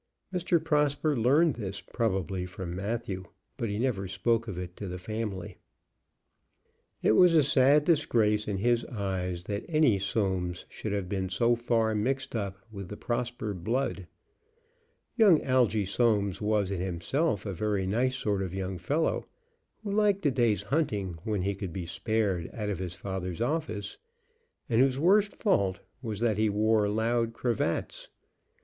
Mr. Prosper learned this, probably, from Matthew, but he never spoke of it to the family. It was a sad disgrace in his eyes that any Soames should have been so far mixed up with the Prosper blood. Young Algy Soames was in himself a very nice sort of young fellow, who liked a day's hunting when he could be spared out of his father's office, and whose worst fault was that he wore loud cravats.